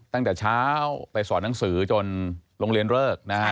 ตั้งแต่เช้าไปสอนหนังสือจนโรงเรียนเลิกนะฮะ